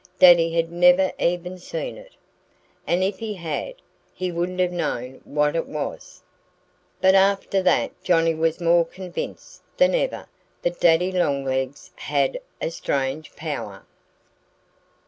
Daddy had never even seen it. And if he had, he wouldn't have known what it was. But after that Johnnie was more convinced than ever that Daddy Longlegs had a strange power.